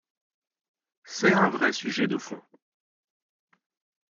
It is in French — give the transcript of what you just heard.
C’est un vrai sujet de fond.